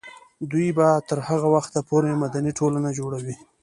دوی به تر هغه وخته پورې مدني ټولنه جوړوي.